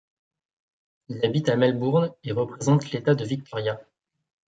Il habite à Melbourne et représente l'État de Victoria.